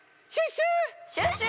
シュッシュ？